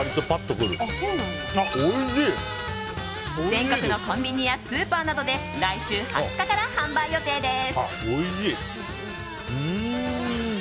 全国のコンビニやスーパーなどで来週２０日から販売予定です。